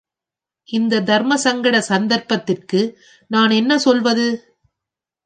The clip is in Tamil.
இந்தத் தர்மசங்கட சந்தர்ப்பத்திற்கு நான் என்ன சொல்வது?